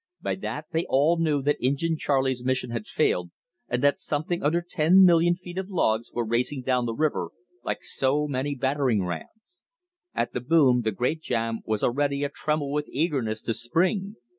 By that they all knew that Injin Charley's mission had failed, and that something under ten million feet of logs were racing down the river like so many battering rams. At the boom the great jam was already a tremble with eagerness to spring.